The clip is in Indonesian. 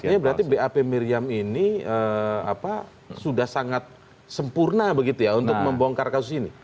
artinya berarti bap miriam ini sudah sangat sempurna begitu ya untuk membongkar kasus ini